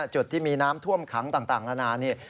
จุดที่มีน้ำท่วมขังต่างนานานี่